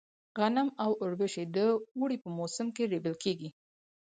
غنم او اوربشې د اوړي په موسم کې رېبل کيږي.